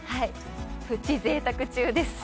プチぜいたく中です。